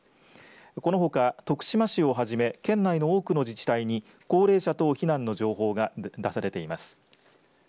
このほか徳島市をはじめ県内の多くの自治体に高齢者等避難の情報が出されています。